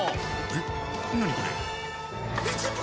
えっ？